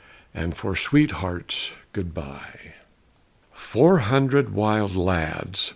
and for sweethearts, good by! "Four hundred wild lads!"